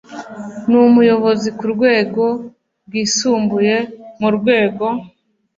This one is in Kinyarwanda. N umuyobozi ku rwego rwisumbuye mu rwego